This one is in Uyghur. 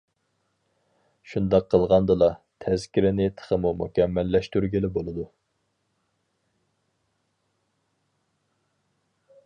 شۇنداق قىلغاندىلا تەزكىرىنى تېخىمۇ مۇكەممەللەشتۈرگىلى بولىدۇ.